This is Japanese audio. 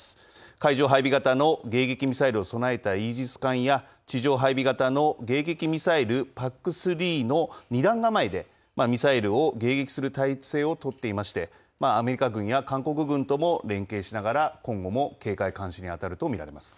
海上配備型の迎撃ミサイルを備えたイージス艦や、地上配備型の迎撃ミサイルＰＡＣ３の２段構えでミサイルを迎撃する体制を取っていまして、アメリカ軍や韓国軍とも連携しながら、今後も警戒・監視に当たると見られます。